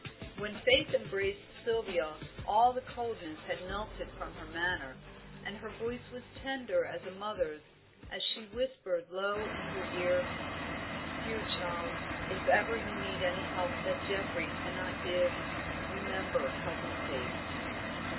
When Faith embraced Sylvia, all the coldness had melted from her manner, and her voice was tender as a mother's as she whispered low in her ear "Dear child, if ever you need any help that Geoffrey cannot give, remember cousin Faith."